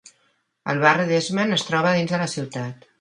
El barri d'Eastman es troba dins de la ciutat.